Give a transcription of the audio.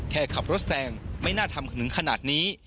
แค่ขับรถแซงไม่น่าทำถึงขนาดนี้